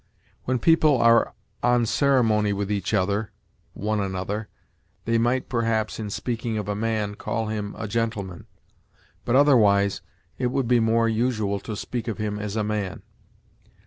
When people are on ceremony with each other [one another], they might, perhaps, in speaking of a man, call him a gentleman; but, otherwise, it would be more usual to speak of him as a man.